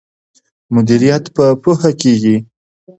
مدیریت په پوهه کیږي.